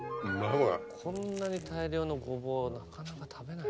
こんなに大量のゴボウなかなか食べない。